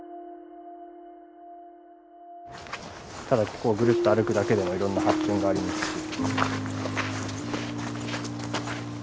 ただここをぐるっと歩くだけでもいろんな発見がありますし。